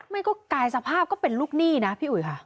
ไม่ก็กลายสภาพก็เป็นลูกหนี้นะพี่อุ๋ยค่ะ